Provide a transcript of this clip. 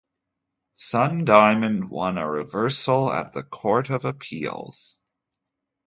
Sun-Diamond won a reversal at the Court of Appeals.